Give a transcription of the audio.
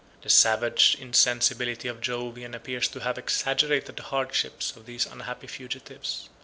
The savage insensibility of Jovian appears to have aggravated the hardships of these unhappy fugitives.